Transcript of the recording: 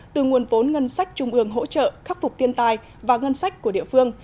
từ nguồn vốn ngân sách trung ương hỗ trợ khắc phục tiên tài và ngân sách của địa phương